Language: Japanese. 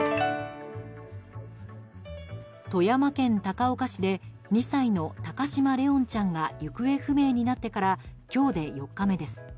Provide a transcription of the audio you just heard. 富山県高岡市で２歳の高嶋怜音ちゃんが行方不明になってから今日で４日目です。